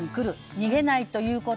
逃げないということ。